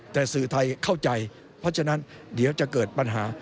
แต่สื่อไทยเข้าใจเพราะฉะนั้นเดี๋ยวจะเกิดปัญหา